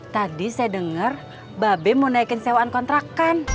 tadi saya dengar babe mau naikin sewaan kontrakan